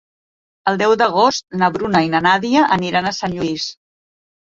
El deu d'agost na Bruna i na Nàdia aniran a Sant Lluís.